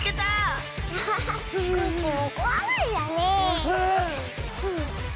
アハハコッシーもこわがりだね。